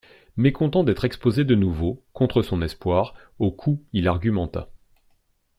Mécontent d'être exposé de nouveau, contre son espoir, aux coups, il argumenta.